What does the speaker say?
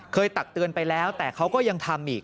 ตักเตือนไปแล้วแต่เขาก็ยังทำอีก